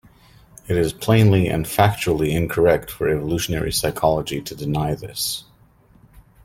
It is plainly and factually incorrect for evolutionary psychology to deny this.